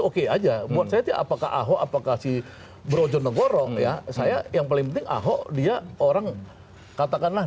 oke aja buat saya apakah ahok apakah si brojonegoro ya saya yang paling penting ahok dia orang katakanlah